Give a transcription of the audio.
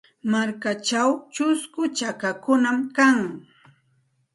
Markachaw chusku chakakunam kan.